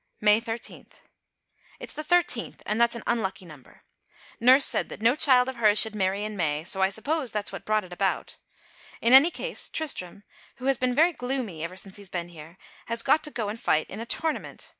May 13. It's the 13th and that's an unlucky number. Nurse said that no child of hers should marry in May, so I suppose that's what brought it about. In any case Tristram, who has been very gloomy ever since he's been here, has got to go and fight in a tournament.